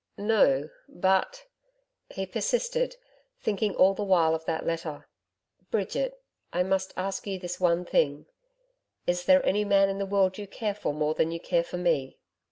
'No, but,' he persisted thinking all the while of that letter 'Bridget, I must ask you this one thing. Is there any man in the world you care for more than you care for me?